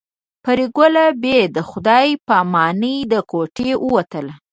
پري ګله بې له خدای په امانۍ له کوټې ووتله